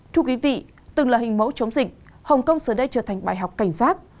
thưa quý vị từng là hình mẫu chống dịch hồng kông giờ đây trở thành bài học cảnh giác